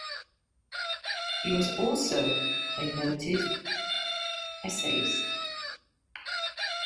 He was also a noted essayist.